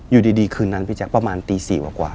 อยู่ดีคืนนั้นพี่แจ๊คประมาณตี๔กว่า